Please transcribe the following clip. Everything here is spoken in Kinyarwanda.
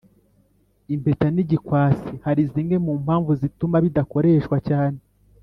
Impeta n igikwasi Hari zimwe mu mpamvu zituma bidakoreshwa cyane